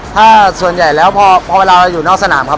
ถ้าส่วนใหญ่แล้วพอเวลาเราอยู่นอกสนามครับ